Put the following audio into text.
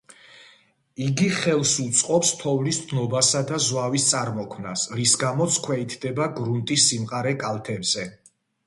იგი ხელს უწყობს თოვლის დნობასა და ზვავის წარმოქმნას, რის გამოც ქვეითდება გრუნტის სიმყარე კალთებზე.